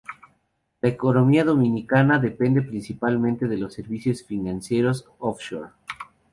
La economía de Dominica depende principalmente de los servicios financieros offshore.